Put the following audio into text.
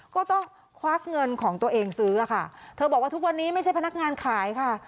ควักเงินของตัวเองซื้อค่ะเธอบอกว่าทุกวันนี้ไม่ใช่พนักงานขายค่ะ